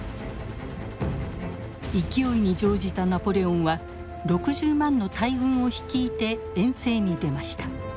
勢いに乗じたナポレオンは６０万の大軍を率いて遠征に出ました。